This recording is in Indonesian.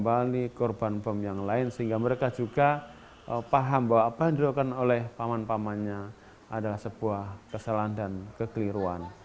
korban bom yang lain sehingga mereka juga paham bahwa apa yang dilakukan oleh paman pamannya adalah sebuah kesalahan dan kekeliruan